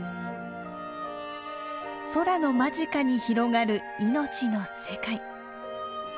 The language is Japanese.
空の間近に広がる命の世界。